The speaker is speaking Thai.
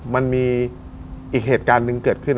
มันมีอีกเหตุการณ์หนึ่งเกิดขึ้น